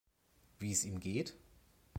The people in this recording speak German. Wie es ihm geht?